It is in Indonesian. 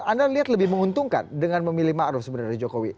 anda lihat lebih menguntungkan dengan memilih ma'ruf sebenarnya dari jokowi